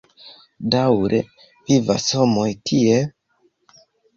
Daŭre vivas homoj tiel?